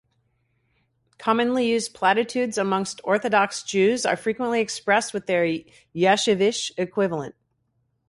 Commonly used platitudes amongst Orthodox Jews are frequently expressed with their Yeshivish equivalent.